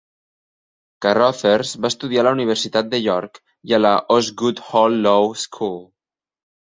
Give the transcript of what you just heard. Carrothers va estudiar a la Universitat de York i a la Osgoode Hall Law School.